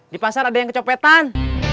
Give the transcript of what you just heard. di pasar ada yang kecopetan